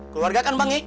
keluarga kan bang i